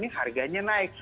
ini harganya naik